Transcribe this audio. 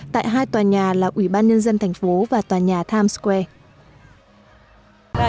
tại hai tòa nhà là ủy ban nhân dân thành phố và tòa nhà times square